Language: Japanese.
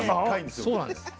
そうなんです。